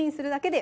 で